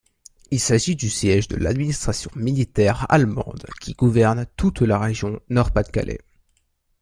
Il s'agit du siège de l'administration militaire allemande qui gouverne toute la région Nord-Pas-de-Calais.